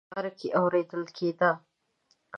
د بازار شور په لاره کې اوریدل کیده.